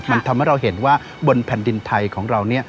มันทำให้เราเห็นว่าบนแผ่นดินไทยของเรา